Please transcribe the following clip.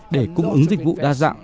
để cung ứng dịch vụ đa dạng